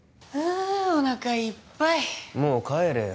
あおなかいっぱいもう帰れよ